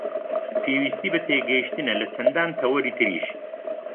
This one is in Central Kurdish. پێویستی بە تێگەیشتنە لە چەندان تەوەری تریش